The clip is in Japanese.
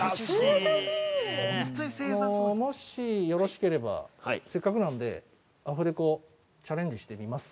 ◆もしよろしければ、せっかくなので、アフレコ、チャレンジしてみます？